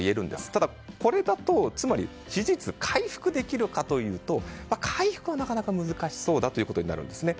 ただ、これだとつまり支持率は回復できるかというと回復はなかなか難しそうだということになるんですね。